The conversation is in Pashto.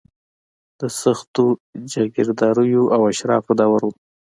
د سختو جاګیرداریو او اشرافو دور و.